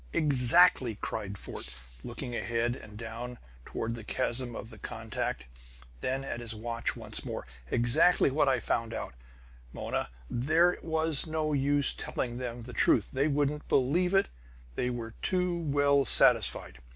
"Exactly!" cried Fort, looking ahead and down, toward the chasm of the contact, then at his watch once more. "Exactly what I found out, Mona! There was no use telling them the truth; they wouldn't believe it! They were too well satisfied.